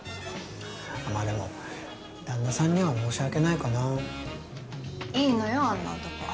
まあでも旦那さんには申し訳ないかないいのよあんな男